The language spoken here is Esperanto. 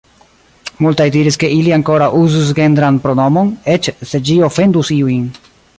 Multaj diris ke ili ankoraŭ uzus genran pronomon, eĉ se ĝi ofendus iujn.